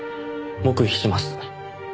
黙秘します。